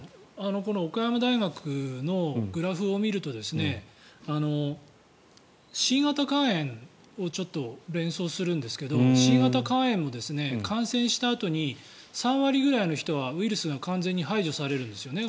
この岡山大学のグラフを見るとＣ型肝炎をちょっと連想するんですがＣ型肝炎も感染したあとに３割ぐらいの人はウイルスが完全に排除されるんですよね。